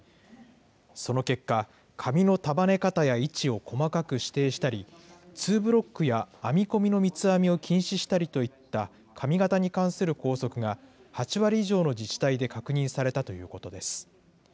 その結果、髪の束ね方や位置を細かく指定したり、ツーブロックや編み込みの三つ編みを禁止したりといった、髪形に関する校則が８割以上の自治体で確認されたということです。